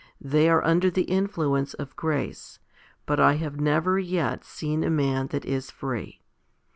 They are under the influence of grace, but I have never yet seen a man that is free.